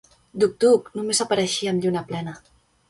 Duk-Duk només apareixia amb lluna plena.